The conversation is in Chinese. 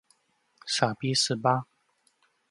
傻逼是吧？